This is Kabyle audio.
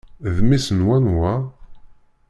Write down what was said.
D mmi-s n wanwa?